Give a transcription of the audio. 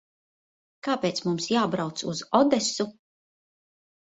Kāpēc mums jābrauc uz Odesu?